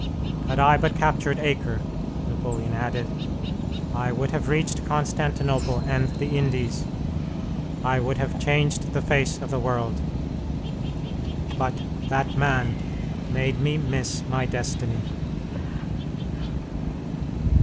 "Had I but captured Acre," Napoleon added, "I would have reached Constantinople and the Indies; I would have changed the face of the world. But that man made me miss my destiny."